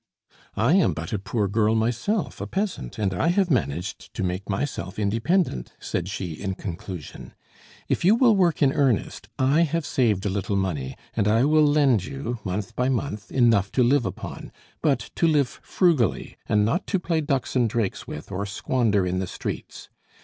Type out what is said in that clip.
"I am but a poor girl myself, a peasant, and I have managed to make myself independent," said she in conclusion. "If you will work in earnest, I have saved a little money, and I will lend you, month by month, enough to live upon; but to live frugally, and not to play ducks and drakes with or squander in the streets.